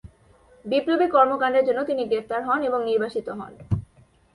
বিপ্লবী কর্মকান্ডের জন্য তিনি গ্রেফতার হন এবং নির্বাসিত হন।